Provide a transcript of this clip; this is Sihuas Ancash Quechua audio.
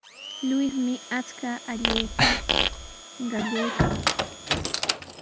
Luismi akshu allayta qallaykan.